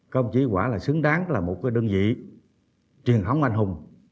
công chí quả là xứng đáng là một đơn vị truyền thống anh hùng